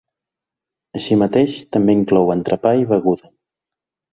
Així mateix, també inclou entrepà i beguda.